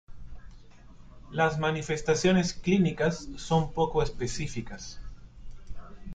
Las manifestaciones clínicas son poco específicas.